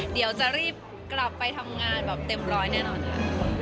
เดี๋ยวจะรีบกลับไปทำงานแบบเต็มร้อยแน่นอนค่ะ